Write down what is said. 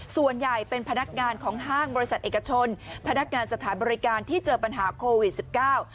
ส่วนใหญ่เป็นพนักงานของห้างบริษัทเอกชนพนักงานสถานบริการที่เจอปัญหาโควิดสิบเก้า